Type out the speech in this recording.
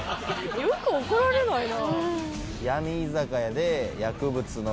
よく怒られないな。